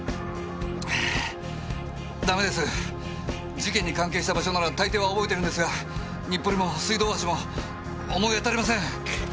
事件に関係した場所なら大抵は覚えてるんですが日暮里も水道大橋も思い当たりません！